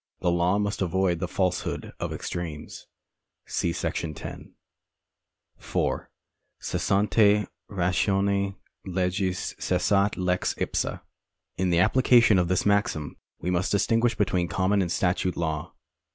The law must avoid the falsehood of extremes. See § 10. 4. Cessante ratione lecjis cessat lex ipsa. In the application of this maxim wo must distinguish between common and statute law.